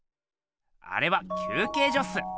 あれは休けいじょっす。